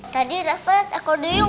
tadi rafa liat ekor duyung